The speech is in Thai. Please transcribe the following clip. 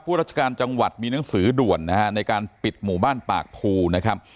ราชการจังหวัดมีหนังสือด่วนนะฮะในการปิดหมู่บ้านปากภูนะครับ